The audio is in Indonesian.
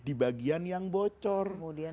di bagian yang bocor